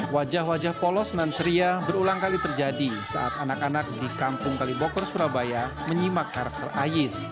wajah wajah polos dan ceria berulang kali terjadi saat anak anak di kampung kalibokor surabaya menyimak karakter ais